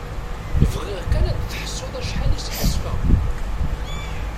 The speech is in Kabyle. Bɣiɣ kan ad teḥsuḍ acḥal i sḥassfaɣ.